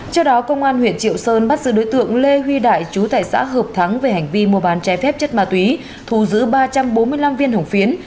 trước đó công an huyện triệu sơn bắt giữ đối tượng lê huy đại chú tài xã hợp thắng về hành vi mua bán trái phép chất ma túy thu giữ ba trăm bốn mươi năm viên hồng phiến